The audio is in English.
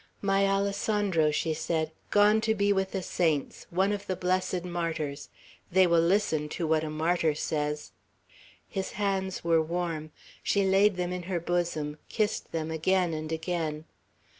"My Alessandro!" she said. "Gone to be with the saints; one of the blessed martyrs; they will listen to what a martyr says." His hands were warm. She laid them in her bosom, kissed them again and again.